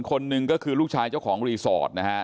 คนหนึ่งก็คือลูกชายเจ้าของรีสอร์ทนะฮะ